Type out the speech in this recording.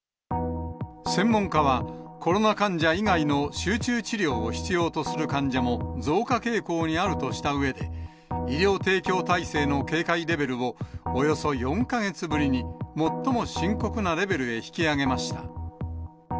専門家は、コロナ患者以外の集中治療を必要とする患者も増加傾向にあるとしたうえで、医療提供体制の警戒レベルをおよそ４か月ぶりに、最も深刻なレベルへ引き上げました。